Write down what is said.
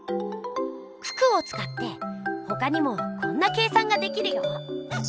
九九をつかってほかにもこんな計算ができるよ。